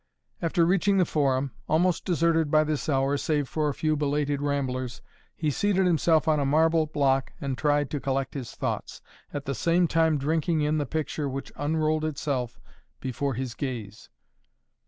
After reaching the Forum, almost deserted by this hour, save for a few belated ramblers, he seated himself on a marble block and tried to collect his thoughts, at the same time drinking in the picture which unrolled itself before his gaze.